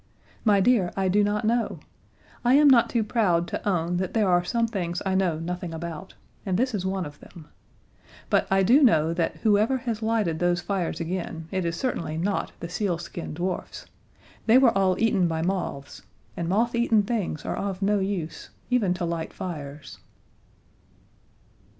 My dear, I do not know! I am not too proud to own that there are some things I know nothing about and this is one of them. But I do know that whoever has lighted those fires again, it is certainly not the sealskin dwarfs. They were all eaten by moths and motheaten things are of no use, even to light fires!